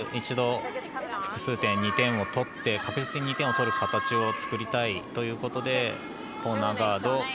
ここは一度複数点２点を取って確実に２点を取る形を作りたいということでコーナーガードを。